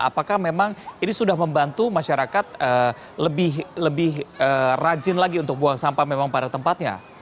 apakah memang ini sudah membantu masyarakat lebih rajin lagi untuk buang sampah memang pada tempatnya